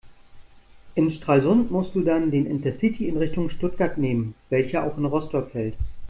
In Stralsund musst du dann den Intercity in Richtung Stuttgart nehmen, welcher auch in Rostock hält.